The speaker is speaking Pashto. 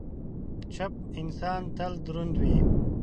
چپ انسان، تل دروند وي.